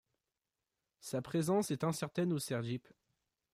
Sa présence est incertaine au Sergipe.